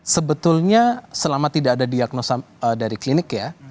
sebetulnya selama tidak ada diagnosa dari klinik ya